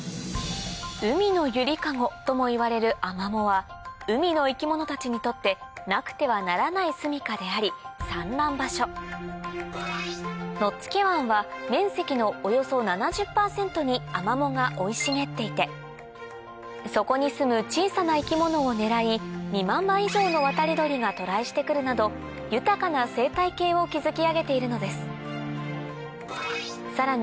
「海のゆりかご」ともいわれるアマモは海の生き物たちにとってなくてはならないすみかであり産卵場所野付湾は面積のおよそ７０％にアマモが生い茂っていてそこにすむ小さな生き物を狙い２万羽以上の渡り鳥が渡来してくるなど豊かな生態系を築き上げているのですさらに